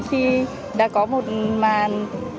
khi đã có một màn